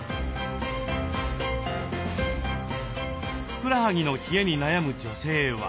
ふくらはぎの冷えに悩む女性は。